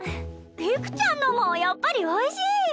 菊ちゃんのもやっぱりおいしい！